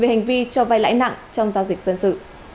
về hành vi cho vai lãi nặng trong giao dịch dân sự